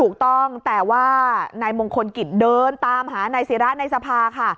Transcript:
ถูกต้องแต่ว่านายมงคลกิจเดินตามหานายศิระในสภาค่ะ